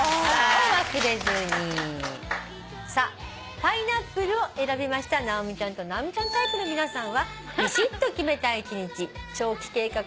さあ「パイナップル」を選びました直美ちゃんと直美ちゃんタイプの皆さんは。